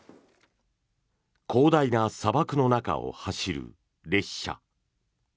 広大な砂漠の中を走る列車。